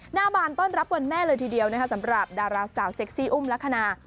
หน้าบานต้อนรับวันแม่เลยทีเดียวนะคะสำหรับดาราสาวเซ็กซี่อุ้มลักษณะ